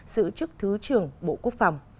giữ chức thứ trưởng bộ quốc phòng